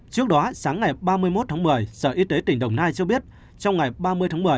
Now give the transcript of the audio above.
trước đó sáng ngày ba mươi một tháng một mươi sở y tế tỉnh đồng nai cho biết trong ngày ba mươi tháng một mươi